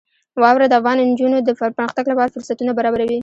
واوره د افغان نجونو د پرمختګ لپاره فرصتونه برابروي.